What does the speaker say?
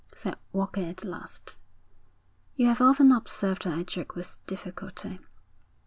said Walker at last. 'You have often observed that I joke with difficulty.'